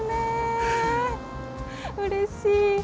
うれしい。